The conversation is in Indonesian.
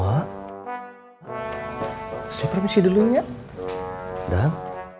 saya permisi dulunya dan